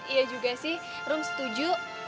iya juga sih rum setuju